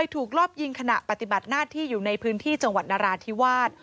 รอบยิงขณะปฏิบัติหน้าที่อยู่ในพื้นที่จังหวัดนราธิวาส